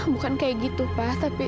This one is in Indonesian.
bukan kayak gitu pas tapi